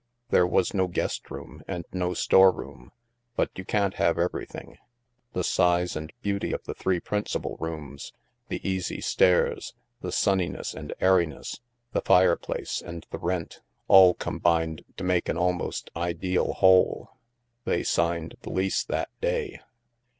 There was no guest room and no store room, but you can't have everything. The size and beauty of the three principal rooms, the easy stairs, the sunniness and airiness, the fireplace, and the rent, all combined to make an almost ideal whole. They signed the lease that day.